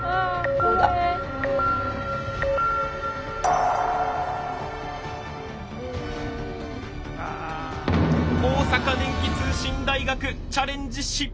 大阪電気通信大学チャレンジ失敗です。